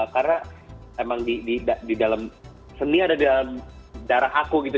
karena emang di dalam seni ada dalam darah aku gitu